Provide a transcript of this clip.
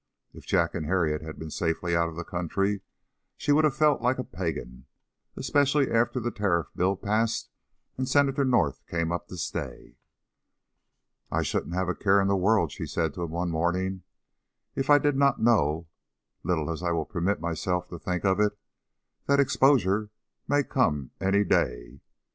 If Jack and Harriet had been safely out of the country, she would have felt like a Pagan, especially after the Tariff Bill passed and Senator North came up to stay. "I shouldn't have a care in the world," she said to him one morning, "if I did not know, little as I will permit myself to think of it, that exposure may come any day.